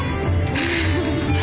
アハハハ。